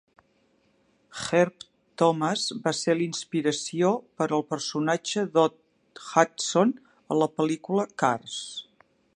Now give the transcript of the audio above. Herb Thomas va ser la inspiració per al personatge "Doc Hudson" a la pel·lícula "Cars".